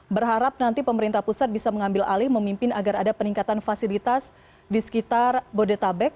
berharap nanti pemerintah pusat bisa mengambil alih memimpin agar ada peningkatan fasilitas di sekitar bodetabek